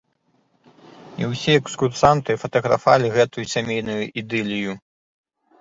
І ўсе экскурсанты фатаграфавалі гэтую сямейную ідылію.